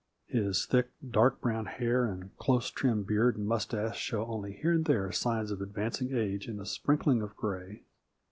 His thick, dark brown hair and close trimmed beard and mustache show only here and there signs of advancing age in a sprinkling of gray.